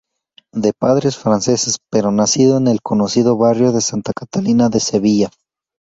De padres franceses, pero nacido en el conocido barrio de Santa Catalina de Sevilla.